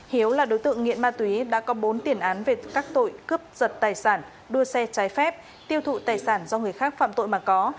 hiếu là đối tượng nghiện ma túy đã có bốn tiền án về các tội cướp giật tài sản đua xe trái phép tiêu thụ tài sản do người khác phạm tội mà có